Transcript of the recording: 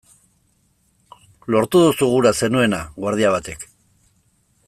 Lortu duzu gura zenuena!, guardia batek.